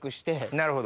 なるほど。